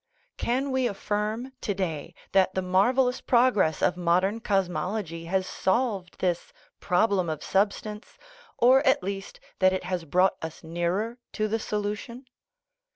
Can we affirm to day that the marvellous progress of modern cosmol ogy has solved this " problem of substance/' or at least that it has brought us nearer to the solution?